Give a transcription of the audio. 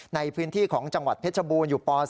ในพื้นที่ของจังหวัดเพชรบูรณ์อยู่ป๔